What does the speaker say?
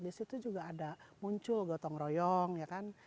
di situ juga ada muncul gotong royong ya kan